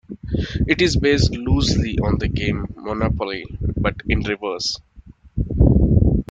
It is based loosely on the game Monopoly, but in reverse.